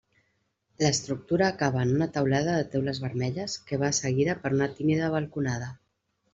L'estructura acaba en una teulada de teules vermelles que va seguida per una tímida balconada.